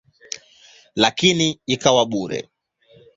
Lakini ikawa bure.